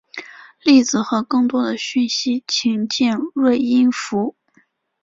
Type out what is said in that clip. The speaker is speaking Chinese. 例子和更多的讯息请见锐音符。